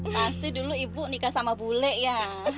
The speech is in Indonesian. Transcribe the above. pasti dulu ibu nikah sama bule ya